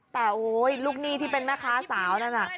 แต่โอ้ยลูกหนี้ที่เป็นแม่ค้าสาวนั่นน่ะ